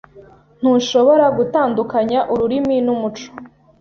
Ntushobora gutandukanya ururimi n'umuco.